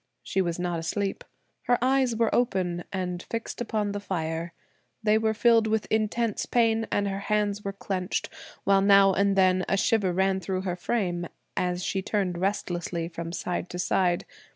She was not asleep. Her eyes were open, and fixed upon the fire; they were filled with intense pain, and her hands were clenched, while now and then a shiver ran through her frame, as she turned restlessly from side to side.